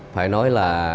phải nói là